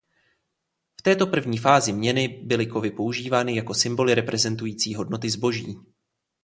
V této první fázi měny byly kovy používány jako symboly reprezentující hodnoty zboží.